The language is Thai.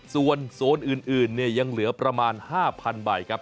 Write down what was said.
ส่วนโซนอื่นเนี่ยยังเหลือประมาณ๕๐๐ใบครับ